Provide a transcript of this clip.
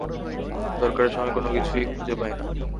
দরকারের সময়ে কোনোকিছুই খুঁজে পাই না।